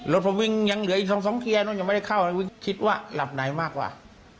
รถผมวิ่งยังเหลืออีกสองเกียร์นู้นยังไม่ได้เข้าเลยคิดว่าหลับไหนมากกว่า